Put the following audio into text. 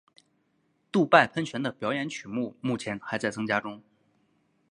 杜拜喷泉的表演曲目目前还在增加中。